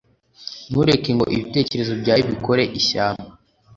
Ntureke ngo ibitekerezo byawe bikore ishyamba